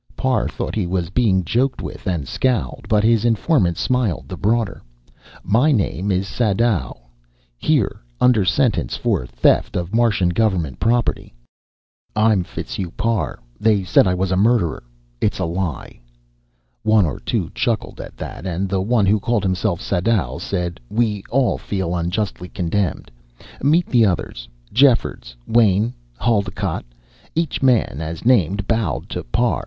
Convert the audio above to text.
Parr thought he was being joked with, and scowled. But his informant smiled the broader. "My name's Sadau here under sentence for theft of Martian government property." "I'm Fitzhugh Parr. They said I was a murderer. It's a lie." One or two chuckled at that, and the one who called himself Sadau said: "We all feel unjustly condemned. Meet the others Jeffords, Wain, Haldocott...." Each man, as named, bowed to Parr.